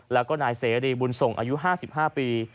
แล้วก็นายเสรีบุญส่งอายุ๕๕ปี